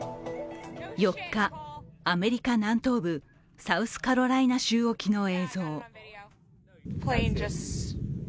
４日、アメリカ南東部サウスカロライナ州沖の映像。